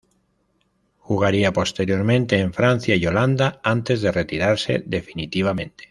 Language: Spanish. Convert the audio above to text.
Jugaría posteriormente en Francia y Holanda antes de retirarse definitivamente.